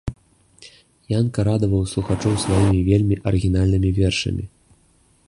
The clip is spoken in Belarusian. Янка радаваў слухачоў сваімі вельмі арыгінальнымі вершамі.